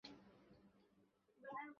পরদিন ঢাকায় নেওয়ার পথে শিমুলের মৃত্যু হয়।